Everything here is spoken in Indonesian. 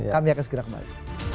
kami akan segera kembali